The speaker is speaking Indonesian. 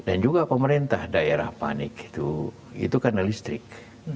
dan juga pemerintah daerah panik itu karena listrik